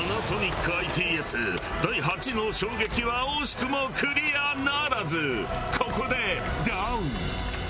ＰａｎａｓｏｎｉｃＩＴＳ第８の衝撃は惜しくもクリアならずここでダウン。